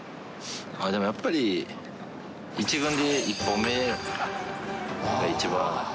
でもやっぱり、１軍で１本目が一番。